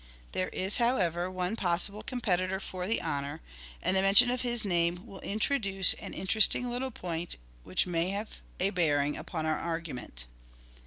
There is, however, one possible competitor for the honour ; and the 170 " SHAKESPEARE " IDENTIFIED mention of his name will introduce an interesting little point which may have a bearing upon our argument.